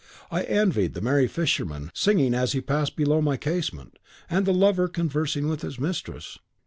And I envied the merry fisherman, singing as he passed below my casement, and the lover conversing with his mistress."